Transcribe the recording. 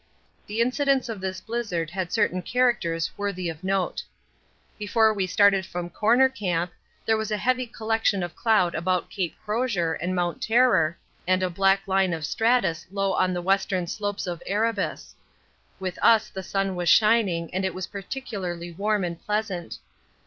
The incidence of this blizzard had certain characters worthy of note: Before we started from Corner Camp there was a heavy collection of cloud about Cape Crozier and Mount Terror, and a black line of stratus low on the western slopes of Erebus. With us the sun was shining and it was particularly warm and pleasant.